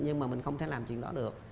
nhưng mà mình không thể làm chuyện đó được